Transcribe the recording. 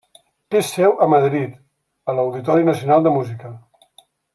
Té seu a Madrid, a l'Auditori Nacional de Música.